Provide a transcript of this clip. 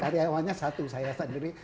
karyawannya satu saya sendiri